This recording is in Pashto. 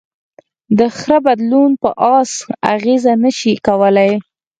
د خره بدلون په آس اغېز نهشي کولی.